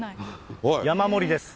山盛りです。